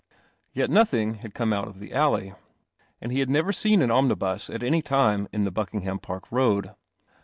Yetnothingha ie out of the alley . And he had never seen an omnibus at any time in the Buckingham Park Road.